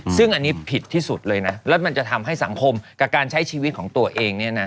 ซึ่งอันนี้ผิดที่สุดเลยนะแล้วมันจะทำให้สังคมกับการใช้ชีวิตของตัวเองเนี่ยนะ